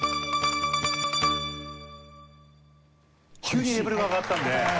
急にレベルが上がったんで。